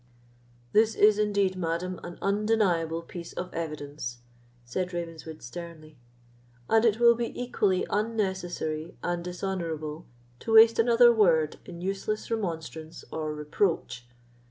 "This is indeed, madam, an undeniable piece of evidence," said Ravenswood, sternly; "and it will be equally unnecessary and dishonourable to waste another word in useless remonstrance or reproach.